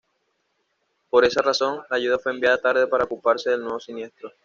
Por esa razón, la ayuda fue enviada tarde para ocuparse del nuevo siniestro.